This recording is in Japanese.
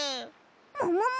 ももも！